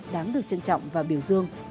đáng được trân trọng và biểu dương